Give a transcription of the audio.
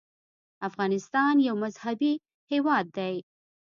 افغانستان یو مذهبي هېواد دی.